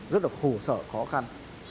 rất là khổ sở khó khăn